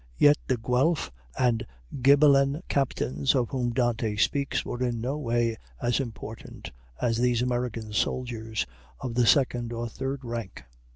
Yet the Guelph and Ghibellin captains of whom Dante speaks were in no way as important as these American soldiers of the second or third rank.